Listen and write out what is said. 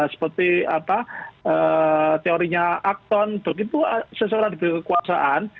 seperti teorinya akton begitu sesuai dengan kekuasaan